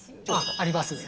あります。